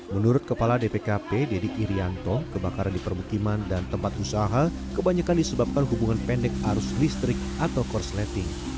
menurut kepala dpkp deddy irianto kebakaran di permukiman dan tempat usaha kebanyakan disebabkan hubungan pendek arus listrik atau korsleting